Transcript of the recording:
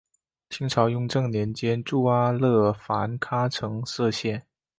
清朝雍正年间筑阿勒楚喀城设县。